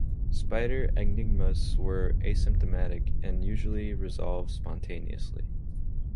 Spider angiomas are asymptomatic and usually resolve spontaneously.